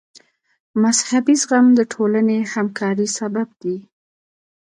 مذهبي زغم د ټولنې همکارۍ سبب دی.